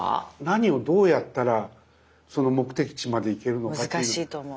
何をどうやったらその目的地まで行けるのかという。